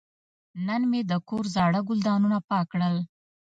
نن مې د کور زاړه ګلدانونه پاک کړل.